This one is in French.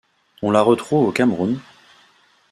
On la retrouve au Cameroun.